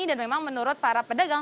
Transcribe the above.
dan memang menurut para pedagang